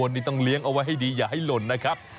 นี่ต้องเลี้ยงเอาไว้ให้ดีอย่าให้หล่นนะครับ